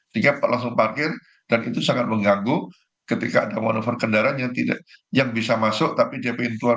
sehingga langsung parkir dan itu sangat mengganggu ketika ada manuver kendaraan yang bisa masuk tapi dia pintu keluar